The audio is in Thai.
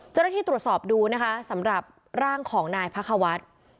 เจ้าหน้าที่ตรวจสอบดูนะคะสำหรับร่างของนายพระควัฒน์